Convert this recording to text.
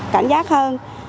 cảnh giác hơn